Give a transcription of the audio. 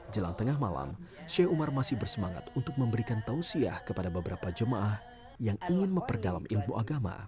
jelang tengah malam sheikh umar masih bersemangat untuk memberikan tausiah kepada beberapa jemaah yang ingin memperdalam ilmu agama